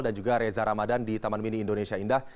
dan juga reza ramadan di taman mini indonesia indah